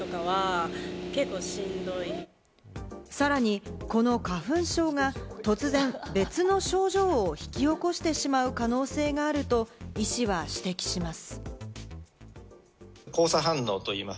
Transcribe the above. さらにこの花粉症が突然別の症状を引き起こしてしまう可能性があると医師は指摘します。